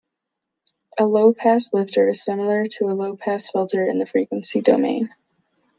A low-pass lifter is similar to a low-pass filter in the frequency domain.